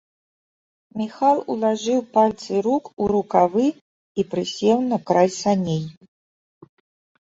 Міхал улажыў пальцы рук у рукавы і прысеў на край саней.